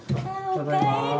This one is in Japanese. おかえり